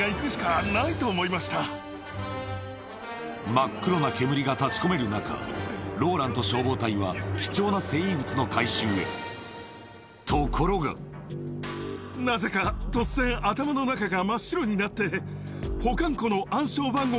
真っ黒な煙が立ち込める中ローランと消防隊は貴重な聖遺物の回収へところがホントにあの時は。